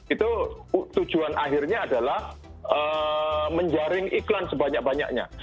itu tujuan akhirnya adalah menjaring iklan sebanyak banyaknya